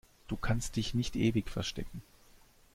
Du kannst dich nicht ewig verstecken!